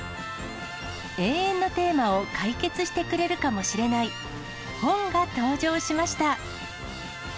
永遠のテーマを解決してくれるかもしれない本が登場しました。